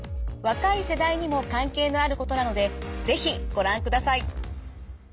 若い世代にも関係のあることなので是非ご覧ください。